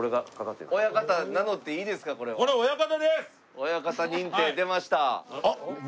親方認定出ました。